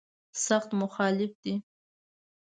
سخت مخالف دی.